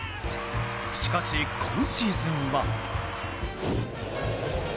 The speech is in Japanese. しかし、今シーズンは。